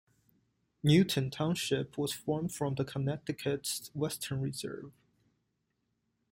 Newton Township was formed from the Connecticut Western Reserve.